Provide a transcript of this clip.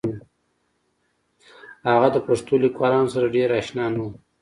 هغه د پښتو لیکوالانو سره ډېر اشنا نه و